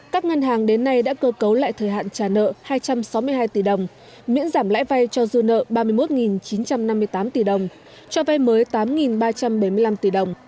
các ngân hàng đến nay đã cơ cấu lại thời hạn trả nợ hai trăm sáu mươi hai tỷ đồng miễn giảm lãi vay cho dư nợ ba mươi một chín trăm năm mươi tám tỷ đồng cho vay mới tám ba trăm bảy mươi năm tỷ đồng